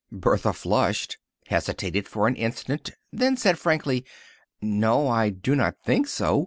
Bertha flushed, hesitated for an instant, then said frankly, "No, I do not think so.